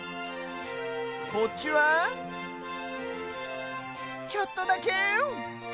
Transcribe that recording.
こっちはちょっとだけ！